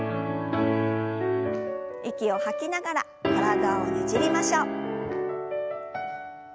息を吐きながら体をねじりましょう。